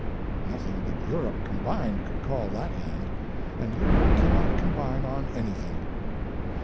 Noth ing but Europe combined could call that hand : and Europe can not combine on anything.